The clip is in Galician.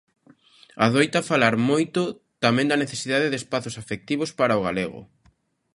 Adoita falar moito tamén da necesidade de espazos afectivos para o galego.